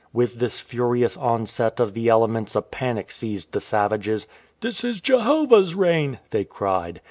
With this furious onset of the elements a panic seized the sav ages. "This is Jehovah's rain,"'"' they cried.